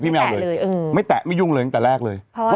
พี่ไม่เอาเลยอืมไม่แตะไม่ยุ่งเลยตั้งแต่แรกเลยเพราะว่า